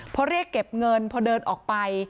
พอเรียกเก็บเงินพอเดินออกไป